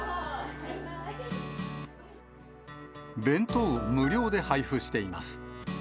弁当を無料で配布しています。